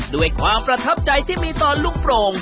ด้วยความประทับใจที่มีตอนลุงโปร่ง